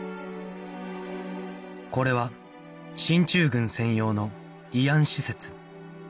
これは進駐軍専用の慰安施設